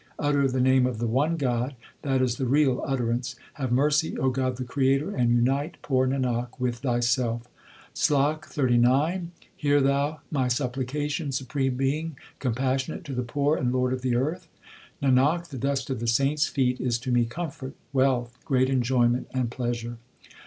Utter the name of the one God ; that is the real utterance. Have mercy, O God the Creator, And unite poor Nanak with Thyself. SLOK XXXIX Hear Thou my supplication, Supreme Being, compassionate to the poor and Lord of the earth Nanak, the dust of the saints feet is to me comfort, wealth, great enjoyment, and pleasure.